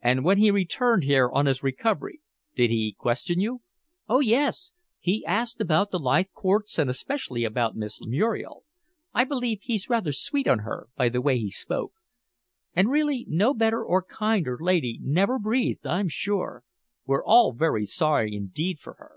"And when he returned here on his recovery, did he question you?" "Oh, yes. He asked about the Leithcourts, and especially about Miss Muriel. I believe he's rather sweet on her, by the way he spoke. And really no better or kinder lady never breathed, I'm sure. We're all very sorry indeed for her."